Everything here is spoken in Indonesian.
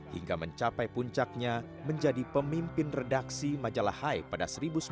hingga mencapai puncaknya menjadi pemimpin redaksi majalah hai pada seribu sembilan ratus sembilan puluh